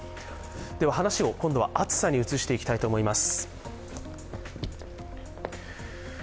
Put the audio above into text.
では、話を暑さに移していきたいと思います。